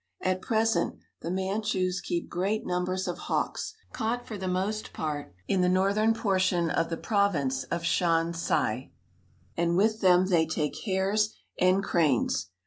At present the Manchus keep great numbers of hawks, caught for the most part in the northern portion of the province of Shan hsi, and with them they take hares and cranes.